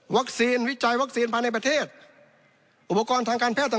วิจัยวัคซีนภายในประเทศอุปกรณ์ทางการแพทย์ต่าง